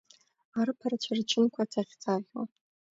Арԥарцәа рчынқәа цаӷьцаӷьуа…